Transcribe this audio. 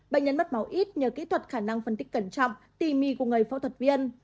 bệnh nhân mất máu ít nhờ kỹ thuật khả năng phân tích cẩn trọng tì mì của người phẫu thuật viên